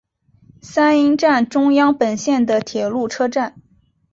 三鹰站中央本线的铁路车站。